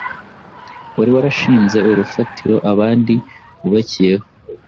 wari warashinze urufatiro abandi bubakiyeho.